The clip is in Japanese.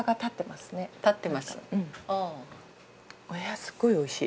すごいおいしい。